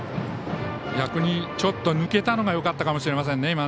逆にちょっと抜けたのがよかったかもしれませんね。